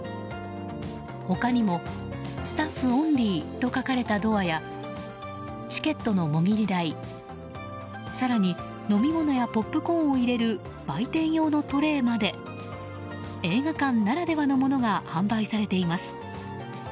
他にも、スタッフオンリーと書かれたドアやチケットのもぎり台更に、飲み物やポップコーンを入れる売店用のトレーまで映画館ならではのものが販売されています。